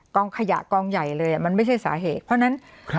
ขยะกองใหญ่เลยอ่ะมันไม่ใช่สาเหตุเพราะฉะนั้น